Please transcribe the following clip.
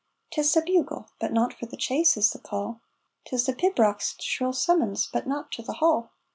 'Tis the bugle but not for the chase is the call; 'Tis the pibroch's shrill summons but not to the hall.